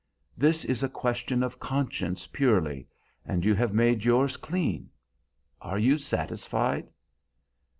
This is a question of conscience purely, and you have made yours clean. Are you satisfied?"